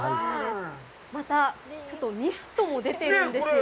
また、ちょっとミストも出ているんですよ。